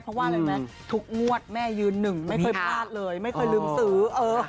เพราะว่าอะไรไหมทุกงวดแม่ยืนหนึ่งไม่เคยพลาดเลยไม่เคยลืมซื้อ